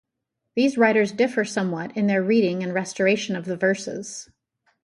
These writers differ somewhat in their reading and restoration of the verses.